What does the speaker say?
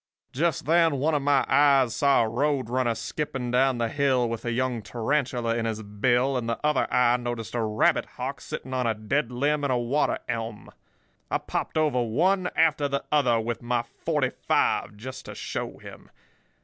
"Just then one of my eyes saw a roadrunner skipping down the hill with a young tarantula in his bill, and the other eye noticed a rabbit hawk sitting on a dead limb in a water elm. I popped over one after the other with my forty five, just to show him.